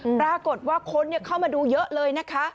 ปรากฏว่าคนเข้ามาดูเยอะเลยนะคะ